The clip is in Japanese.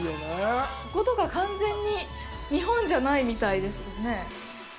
こことか完全に日本じゃないみたいですね。